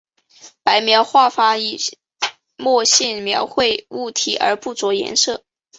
白描画法以墨线描绘物体而不着颜色。